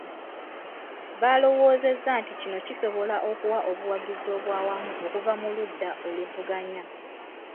Baalowoozezza nti kino kisobola okuwa obuwagizi obw'awamu okuva mu ludda oluvuganya.